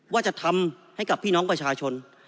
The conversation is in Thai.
ว่าจะทำให้กับพี่น้องประชาชน